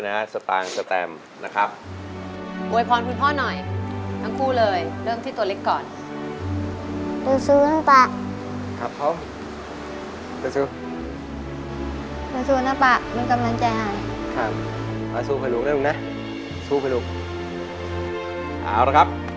อะเสร็จแล้วครับ